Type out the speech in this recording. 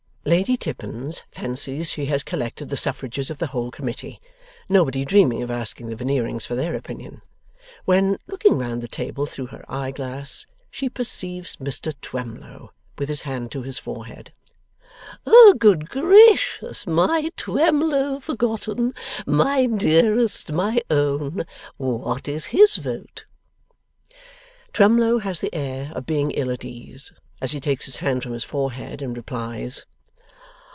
Lady Tippins fancies she has collected the suffrages of the whole Committee (nobody dreaming of asking the Veneerings for their opinion), when, looking round the table through her eyeglass, she perceives Mr Twemlow with his hand to his forehead. Good gracious! My Twemlow forgotten! My dearest! My own! What is his vote? Twemlow has the air of being ill at ease, as he takes his hand from his forehead and replies.